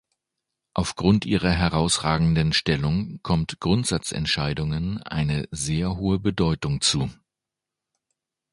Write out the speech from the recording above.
Aufgrund ihrer herausragenden Stellung kommt Grundsatzentscheidungen eine sehr hohe Bedeutung zu.